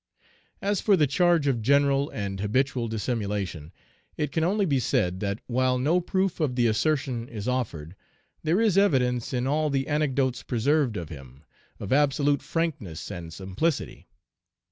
As for the charge of general and habitual dissimulation, it can only be said, that while no proof of the assertion is offered, there is evidence in all the anecdotes preserved of him, of absolute frankness and simplicity.